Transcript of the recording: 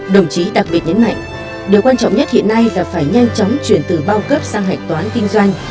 đồng chí đặc biệt nhấn mạnh điều quan trọng nhất hiện nay là phải nhanh chóng chuyển từ bao cấp sang hạch toán kinh doanh